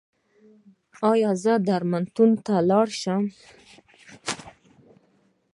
ایا زه درملتون ته لاړ شم؟